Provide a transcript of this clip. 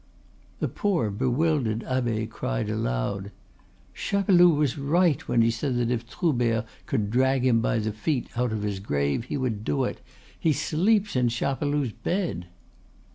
The poor, bewildered abbe cried aloud: "Chapeloud was right when he said that if Troubert could drag him by the feet out of his grave he would do it! He sleeps in Chapeloud's bed!"